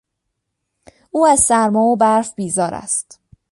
او از سرما و برف بیزار است.